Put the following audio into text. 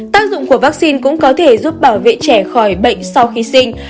tác dụng của vaccine cũng có thể giúp bảo vệ trẻ khỏi bệnh sau khi sinh